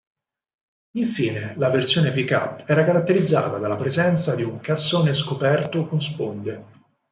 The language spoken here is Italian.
Infine, la versione pick-up era caratterizzata dalla presenza di un cassone scoperto con sponde.